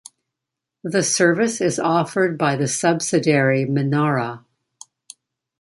The service is offered by the subsidiary Menara.